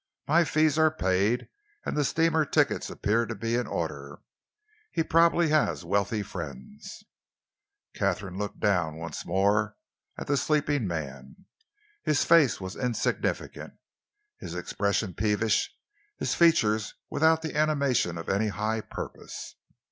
"My fees are paid, and the steamer tickets appear to be in order. He probably has wealthy friends." Katharine looked down once more at the sleeping man. His face was insignificant, his expression peevish, his features without the animation of any high purpose.